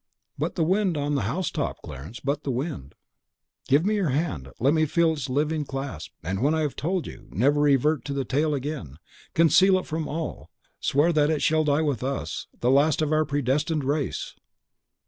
"But the wind on the house top, Clarence, but the wind." "Give me your hand; let me feel its living clasp; and when I have told you, never revert to the tale again. Conceal it from all: swear that it shall die with us, the last of our predestined race!"